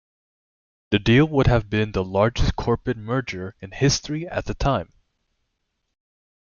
The deal would have been the largest corporate merger in history at the time.